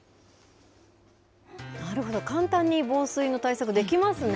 なるほど、簡単に防水の対策、できますね。